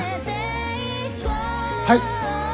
はい。